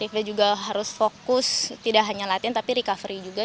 kita juga harus fokus tidak hanya latihan tapi recovery juga